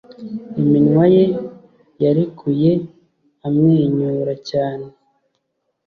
Iminwa ye yarekuye amwenyura cyane